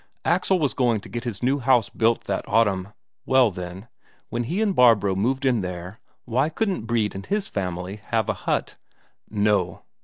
Axel was going to get his new house built that autumn; well, then, when he and Barbro moved in there, why couldn't Brede and his family have a hut? No!